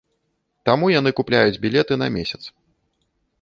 Таму яны купляюць білеты на месяц.